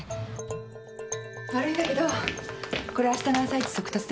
悪いんだけどこれあしたの朝イチ速達でお願い。